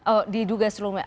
oh diduga seluruh member